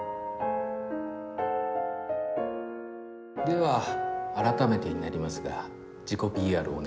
では改めてになりますが自己ＰＲをお願いします。